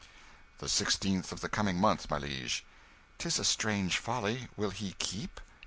"The sixteenth of the coming month, my liege." "'Tis a strange folly. Will he keep?"